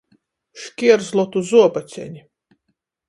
Škierzlotu zuobaceni.